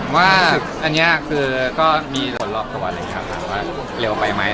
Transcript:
ว่าอันนี้ก็มีผลรอบตัวนะครับว่าเร็วไปไหม